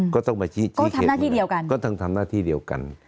ก็ต้องมาชี้เขตเหมือนกันก็ทำหน้าที่เดียวกัน